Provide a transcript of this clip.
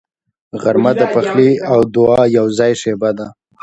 غرمه د پخلي او دعا یوځای شیبه ده